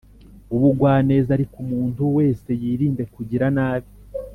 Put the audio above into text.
W ubugwaneza ariko umuntu wese yirinde kugira nabi